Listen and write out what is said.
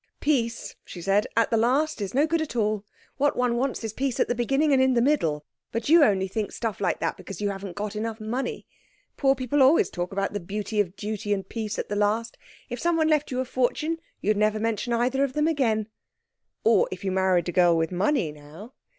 "Peace," she said, "at the last, is no good at all. What one wants is peace at the beginning and in the middle. But you only think stuff like that because you haven't got enough money. Poor people always talk about the beauty of duty and peace at the last. If somebody left you a fortune you'd never mention either of them again. Or if you married a girl with money, now.